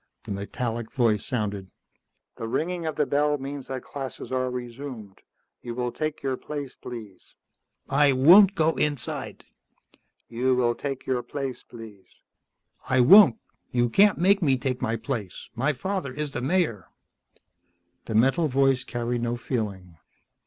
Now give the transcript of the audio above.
The metallic voice sounded. "The ringing of the bell means that classes are resumed. You will take your place, please." "I won't go inside." "You will take your place, please." "I won't. You can't make me take my place. My father is the Mayor." The metal voice carried no feeling.